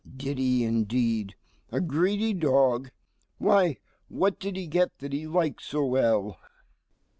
G. Did he indeed? a greedy dog. Why, what did he get that he liked so well?